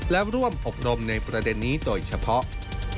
และร่วมอบรมในประเด็นนี้โดยเฉพาะ